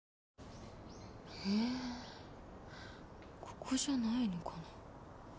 ここじゃないのかな。